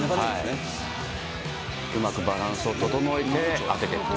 うまくバランスを整えて当てていくと。